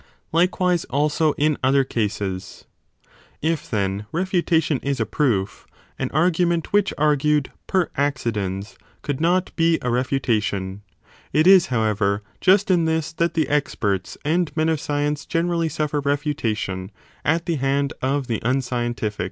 Likewise also in other cases. If, then, refutation is a proof, an argument which argued per accidens could not be a refutation. It is, how 5 ever, just in this that the experts and men of science generally suffer refutation at the hand of the unscientific : 1 l68 a 28.